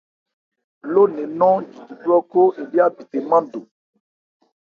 Ló nne nɔ́n jiji bhrɔ́khó elí ábithe nmándo.